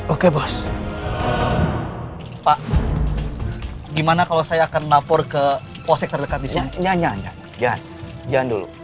oke bos pak gimana kalau saya akan lapor ke posek terdekat bisa nyanyian jangan jangan dulu